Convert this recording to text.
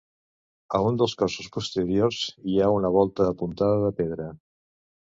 A un dels cossos posteriors hi ha una volta apuntada de pedra.